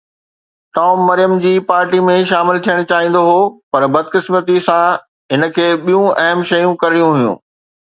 Tom Maryam جي party ۾ شامل ٿيڻ چاهيندو هو پر بدقسمتي سان هن کي ٻيون اهم شيون ڪرڻيون هيون.